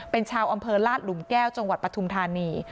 เป็นชาวอำเภอลาดหลุมแก้วจังหวัดปฐุมธานี